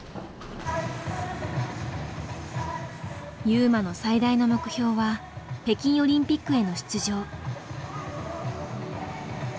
優真の最大の目標は北京オリンピックへの出場。